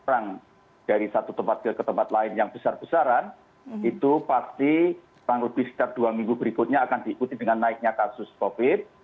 perang dari satu tempat ke tempat lain yang besar besaran itu pasti kurang lebih sekitar dua minggu berikutnya akan diikuti dengan naiknya kasus covid